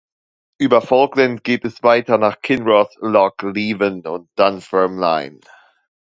Über Falkland geht es weiter nach Kinross, Loch Leven und Dunfermline.